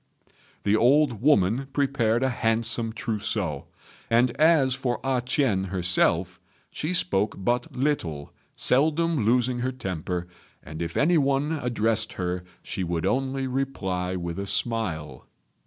The old woman prepared a handsome trousseau; and as for A ch'ien herself, she spoke but little, seldom losing her temper, and if any one addressed her she would only reply with a smile.